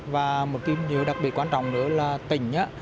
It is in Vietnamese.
và một cái điều đặc biệt quan trọng nữa là tỉnh